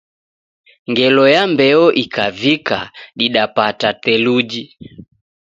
Ngelo ya mbeo ikavika, didapata theluji.